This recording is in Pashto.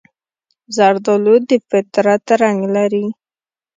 زردالو د فطرت رنګ لري.